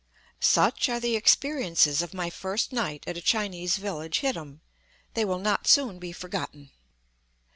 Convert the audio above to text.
Such are the experiences of my first night at a Chinese village hittim; they will not soon be forgotten.